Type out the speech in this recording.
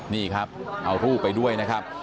นี่ครับเอารูปไปด้วยนะครับ